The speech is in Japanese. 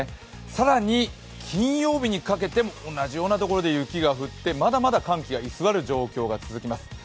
更に、金曜日にかけても同じようなところで雪が降ってまだまだ寒気が居座る状況が続きます。